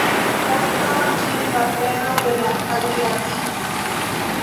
Oni nomas ĝin "la perlo de la Adriatiko".